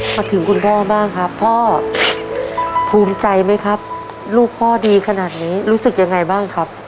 คุณพ่อบ้างครับพ่อภูมิใจไหมครับลูกพ่อดีขนาดนี้รู้สึกยังไงบ้างครับ